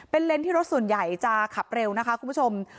เป็นเลนส์ที่รถส่วนใหญ่จะขับเร็วนะคะคุณผู้ชม